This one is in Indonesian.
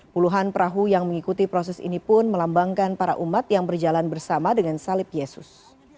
puluhan perahu yang mengikuti proses ini pun melambangkan para umat yang berjalan bersama dengan salib yesus